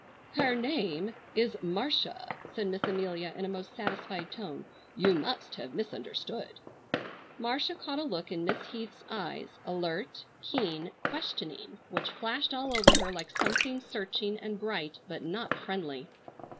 "Her name is Marcia," said Miss Amelia in a most satisfied tone; "you must have misunderstood." Marcia caught a look in Miss Heath's eyes, alert, keen, questioning, which flashed all over her like something searching and bright but not friendly.